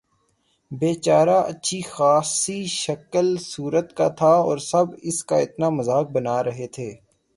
بے چارہ اچھی خاصی شکل صورت کا تھا اور سب اس کا اتنا مذاق بنا رہے تھے